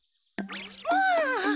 まあ！